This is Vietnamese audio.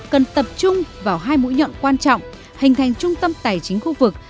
cần tập trung vào hai mũi nhọn quan trọng hình thành trung tâm tài chính khu vực